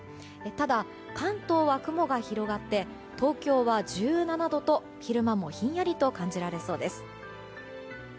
ただ、関東は雲が広がって東京は１７度と、昼間もひんやりと感じられそうです。